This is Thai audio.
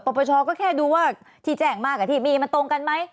ปปชก็แค่ดูว่าที่แจ้งมากับที่มีมันตรงกันไหม